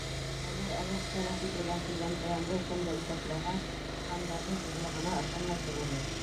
Әгәр әләф-тәләф итеүҙән килгән зыянды кемдер иҫәпләһә, һандарҙың ҙурлығына ышанмай торор инек.